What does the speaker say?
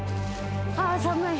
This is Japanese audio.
ああ寒い。